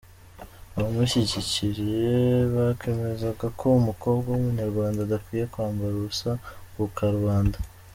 Abamushyigikiye bakemezaga ko umukobwa w’umunyarwanda adakwiye kwambara ubusa ku karubanda.